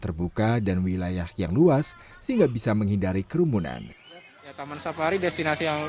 terbuka dan wilayah yang luas sehingga bisa menghindari kerumunan taman safari destinasi yang